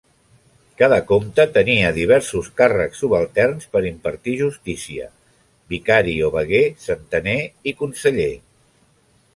Cada comte tenia diversos càrrecs subalterns per impartir justícia: vicari o veguer, centener, i conseller.